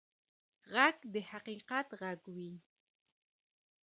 غږ د حقیقت غږ وي